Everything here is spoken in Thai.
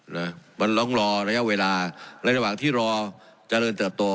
นะมันต้องรอระยะเวลาในระหว่างที่รอเจริญเติบโต